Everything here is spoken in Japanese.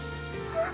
あ！